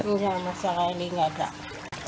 masalah ini nggak ada